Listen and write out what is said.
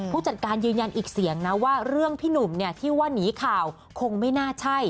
ผู้จัดการยืนยันอีกเสียงนะว่าเรื่องพี่หนุ่มที่ว่าหนีข่าวคงไม่น่าใช่